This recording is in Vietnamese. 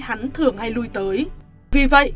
hắn thường hay lui tới vì vậy